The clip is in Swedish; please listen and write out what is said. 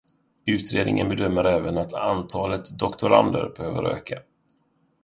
Utredningen bedömer även att antalet doktorander behöver öka.